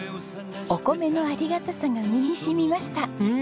お米のありがたさが身に染みました。